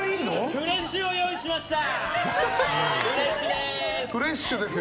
フレッシュを用意しましたよ！